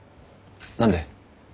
何で？